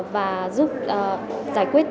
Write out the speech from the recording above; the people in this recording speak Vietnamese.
và giúp giải quyết